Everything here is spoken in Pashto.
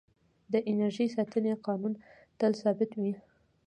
د انرژۍ ساتنې قانون تل ثابت وي.